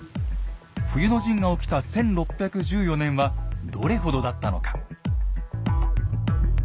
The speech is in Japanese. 冬の陣が起きた１６１４年はどれほどだったのか。